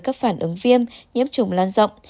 các phản ứng viêm nhiễm trùng lan rộng